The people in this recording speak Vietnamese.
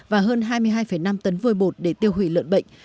và hơn hai mươi hai năm tấn vôi bột để tiêu hủy lợn bệnh